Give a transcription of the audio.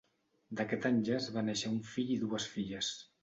D'aquest enllaç va néixer un fill i dues filles.